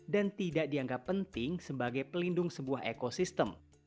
dan tidak dianggap penting sebagai pelindung sebuah ekosistem